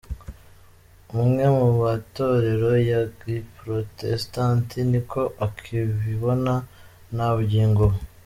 Amwe mu matorero ya Giprotestanti niko akibibona na bugingo ubu !.